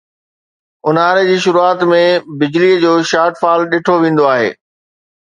اونهاري جي شروعات ۾ بجلي جو شارٽ فال ڏٺو ويندو آهي